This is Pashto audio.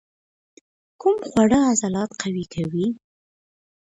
کوم خواړه عضلات قوي کوي؟